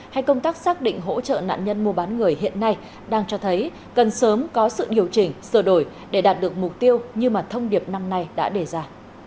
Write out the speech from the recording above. hay công tác xác định hỗ trợ nạn nhân mua bán người hiện nay đang cho thấy cần sớm có sự điều chỉnh sửa đổi để đạt được mục tiêu như mà thông điệp năm nay đã đề ra